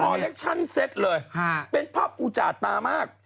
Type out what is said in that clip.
เล็กชั่นเซ็ตเลยเป็นภาพอุจาตามาก